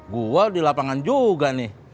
gue di lapangan juga nih